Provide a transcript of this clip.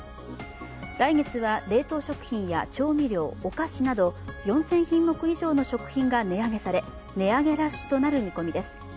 来月は冷凍食品や調味料、お菓子など４０００品目以上の食品が値上げされ値上げラッシュとなる見込みです。